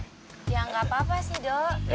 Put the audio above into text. ya nggak apa apa sih dok